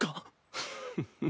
フフフ。